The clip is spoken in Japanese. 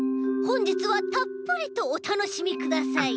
ほんじつはたっぷりとおたのしみください！